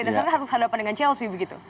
dasarnya harus hadapan dengan chelsea begitu